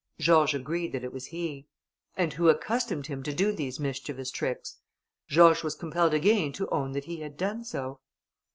George agreed that it was he. "And who accustomed him to do these mischievous tricks?" George was compelled again to own that he had done so.